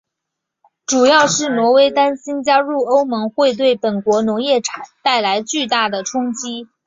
主要是挪威担心加入欧盟后会对本国农业带来巨大的冲击。